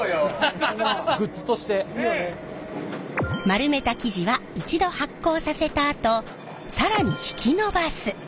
丸めた生地は一度発酵させたあと更に引き伸ばす。